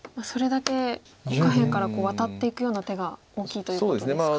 それだけ下辺からワタっていくような手が大きいということですか。